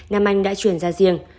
nam anh đã chuyển ra riêng